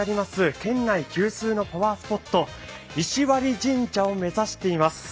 県内有数のパワースポット、石割神社を目指しています。